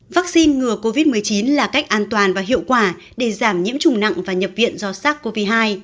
vaccine ngừa covid một mươi chín là cách an toàn và hiệu quả để giảm nhiễm trùng nặng và nhập viện do sars cov hai